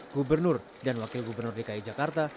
gubernur dan wakil gubernur dki jakarta